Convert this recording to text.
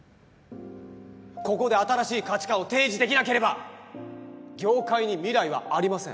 ここで新しい価値観を提示できなければ業界に未来はありません。